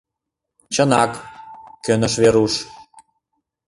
— Чынак, - кӧныш Веруш.